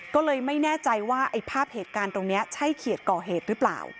ก็เลยไม่แน่ใจว่าไอ้ภาพเหตุการณ์ตรงนี้ใช่เขียดก่อเหตุหรือเปล่า